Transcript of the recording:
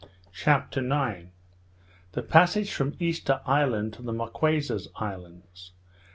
CHAPTER IX. _The Passage from Easter Island to the Marquesas Islands.